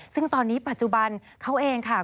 ซึ่งตอนนี้ปัจจุบันเขาเองค่ะ